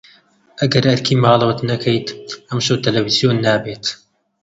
ئەگەر ئەرکی ماڵەوەت نەکەیت، ئەمشەو تەلەڤیزیۆن نابێت.